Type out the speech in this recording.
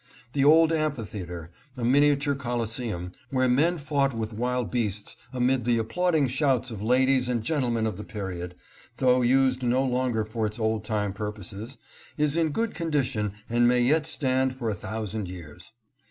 The old Amphitheater, a miniature Coli seum, where men fought with wild beasts amid the applauding shouts of ladies and gentlemen of the period, though used no longer for its old time purposes, is in good condition and may yet stand for a thousand years.